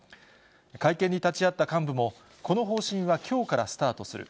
会見に立ち会った幹部も、この方針はきょうからスタートする。